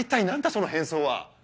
その変装は。